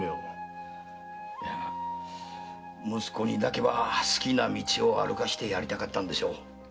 息子にだけは好きな道を歩かせてやりたかったんでしょう。